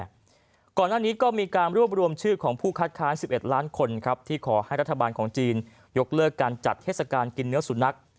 ก่อนหน้านี้ก็มีการรวบรวมชื่อของผู้คัดค้าน๑๑ล้านคนครับที่ขอให้รัฐบาลของจีนยกเลิกการจัดเทศกาลกินเนื้อสุนัข